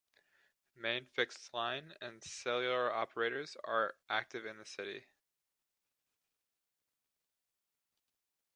Main fixed line and cellular operators are active in the city.